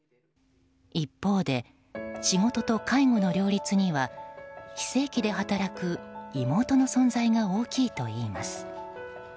一方で仕事と介護の両立には非正規で働く妹の存在が大きいといいます。